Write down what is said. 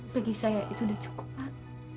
bagi saya itu sudah cukup pak